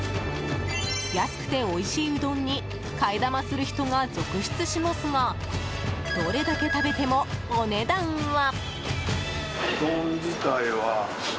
安くておいしいうどんに替え玉する人が続出しますがどれだけ食べても、お値段は。